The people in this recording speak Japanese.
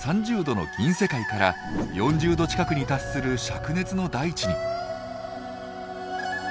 ℃の銀世界から４０℃近くに達する灼熱の大地に。